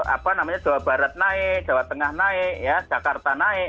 apa namanya jawa barat naik jawa tengah naik ya jakarta naik